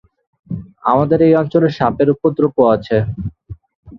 আমাদের এই অঞ্চলে সাপের উপদ্রব আছে।